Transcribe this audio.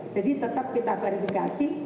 jadi tetap kita verifikasi